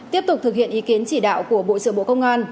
tiếp tục thực hiện ý kiến chỉ đạo của bộ trưởng bộ công an